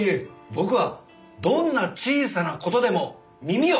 僕はどんな小さな事でも耳を傾ける。